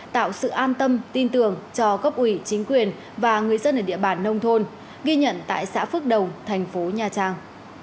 tạo sự an tâm tin tưởng cho cấp ủy chính quyền và người dân ở địa bàn nông thôn ghi nhận tại xã phước đồng thành phố nha trang